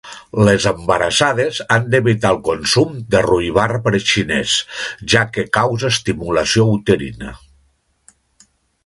Les embarassades han d'evitar el consum del ruibarbre xinès, ja que causa estimulació uterina.